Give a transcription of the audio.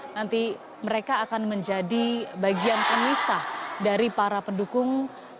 nanti mereka akan menjadi bagian pemisah dari para pendukung